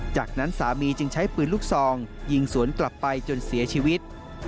จากนั้นสามีจึงใช้ปืนลูกซองยิงสวนกลับไปจนเสียชีวิต